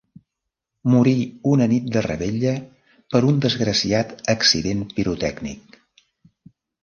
Morí una nit de revetlla per un desgraciat accident pirotècnic.